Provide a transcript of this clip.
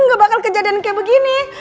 nggak bakal kejadian kayak begini